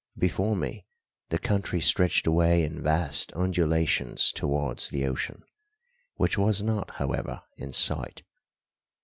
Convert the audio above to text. Before me the country stretched away in vast undulations towards the ocean, which was not, however, in sight.